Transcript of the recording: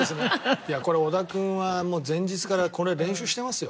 いやこれ織田君は前日からこれ練習してますよ。